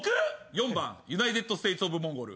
４番ユナイテッドステーツオブモンゴル。